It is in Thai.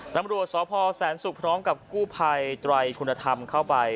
นำรวจสาวพอร์แสนสุกพร้อมกับกู้ภัยตรายคุณธรรมเข้าไป